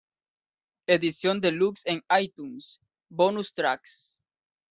Edición Deluxe en iTunes, Bonus Tracks